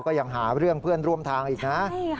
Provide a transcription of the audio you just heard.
ก็ยังหาเพื่อนเริ่มทางอีกนะ